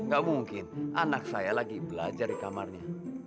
gak mungkin anak saya lagi belajar di kamarnya